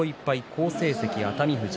好成績の熱海富士